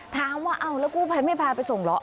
ถามว่าแล้วกูไปไม่พาไปส่งเหรอ